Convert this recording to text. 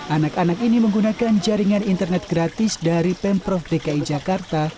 anak anak ini menggunakan jaringan internet gratis dari pemprov dki jakarta